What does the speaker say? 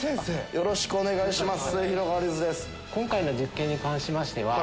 ・よろしくお願いします。